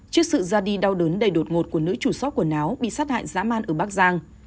trước sự ra đi đau đớn đầy đột ngột của nữ chủ xót quần áo bị sát hại dã man ở bắc giang